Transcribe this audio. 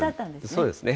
そうですね。